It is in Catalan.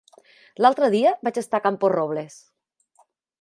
L'altre dia vaig estar a Camporrobles.